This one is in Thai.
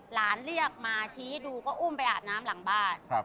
เรียกมาชี้ดูก็อุ้มไปอาบน้ำหลังบ้าน